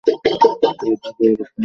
কি অদ্ভুত যোগাযোগ, তাই না?